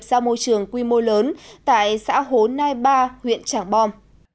ra môi trường quy mô lớn tại xã hồ nai ba huyện trảng bom